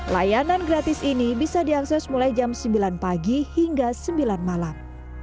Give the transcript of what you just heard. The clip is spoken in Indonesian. layanan gratis ini bisa diakses mulai jam sembilan pagi hingga sembilan malam